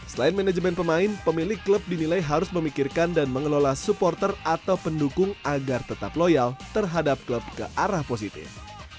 selain manajemen pemain pemilik klub dinilai harus memikirkan dan mengelola supporter atau pendukung agar tetap loyal terhadap klub ke arah positif